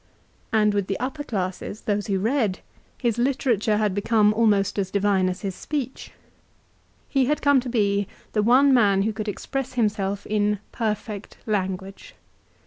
And with the upper classes, those who read, his literature had become almost as divine as his speech. He had come to be the one man who could express himself in perfect language.